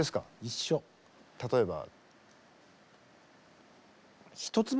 例えば？